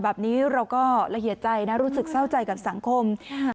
แบบนี้เราก็ละเอียดใจนะรู้สึกเศร้าใจกับสังคม